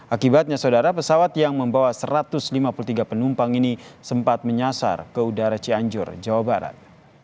akibatnya saudara pesawat yang membawa satu ratus lima puluh tiga penumpang ini sempat menyasar ke udara cianjur jawa barat